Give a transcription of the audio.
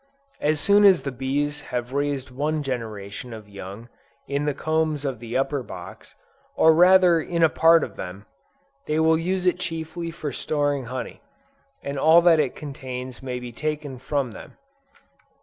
As soon as the bees have raised one generation of young, in the combs of the upper box, or rather in a part of them, they will use it chiefly for storing honey, and all that it contains may be taken from them.